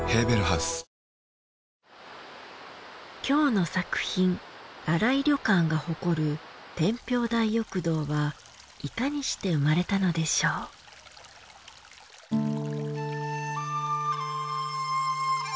今日の作品『新井旅館』が誇る天平大浴堂はいかにして生まれたのでしょう？